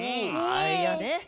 あいやね